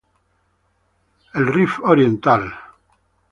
Rif Orient.